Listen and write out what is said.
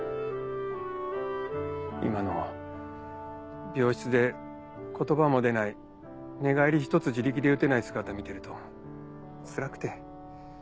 今の病室で言葉も出ない寝返りひとつ自力で打てない姿見てるとつらくて。